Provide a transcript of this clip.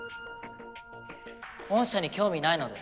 御社に興味ないので。